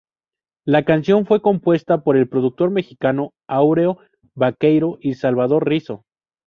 La canción fue compuesta por el productor mexicano Áureo Baqueiro y Salvador Rizo.